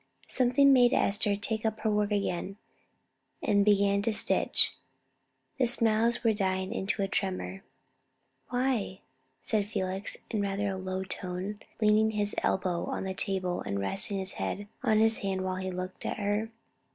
Something made Esther take up her work again, and begin to stitch. The smiles were dying into a tremor. "Why?" said Felix, in rather a low tone, leaning his elbow on the table, and resting his head on his hand while he looked at her.